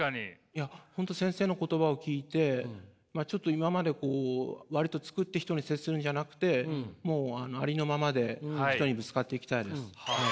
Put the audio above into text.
いや本当先生の言葉を聞いてちょっと今まで割と作って人に接するんじゃなくてもうありのままで人にぶつかっていきたいです。